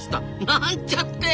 なんちゃって。